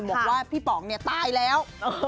บอกว่าพี่ป๋องตายแล้ว